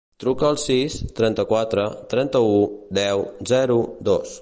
Truca al sis, trenta-quatre, trenta-u, deu, zero, dos.